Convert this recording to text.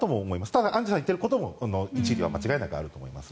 ただアンジュさんが言っていることも一理は間違いなくはあると思います。